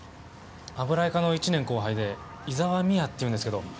油絵科の１年後輩で井沢美亜っていうんですけど。